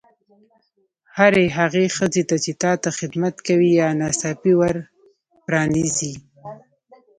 هرې هغې ښځې ته چې تا ته خدمت کوي یا ناڅاپي ور پرانیزي.